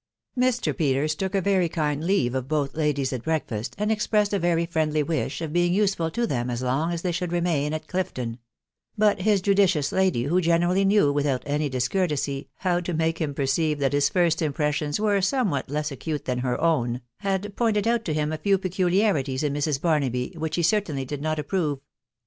Mr. Peters took a very kind leave of both ladies at breakfast, and expressed a very friendly wish of being useful to them as long as they should remain at Clifton ; but his judicious lady, who generally knew, without any discourtesy, how to make him perceive that his first impressions were somewhat less acute than her own, had pointed out to him a few pecu liarities in Mrs. Barnaby, which he certainly did not approve.